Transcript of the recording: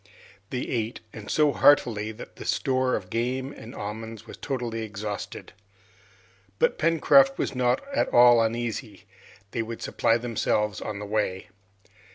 They ate, and so heartily, that the store of game and almonds was totally exhausted. But Pencroft was not at all uneasy, they would supply themselves on the way.